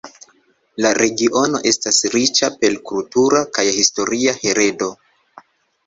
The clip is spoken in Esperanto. La regiono estas riĉa per kultura kaj historia heredo.